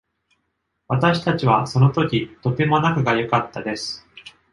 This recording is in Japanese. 私たちは、その時、とても仲が良かったです。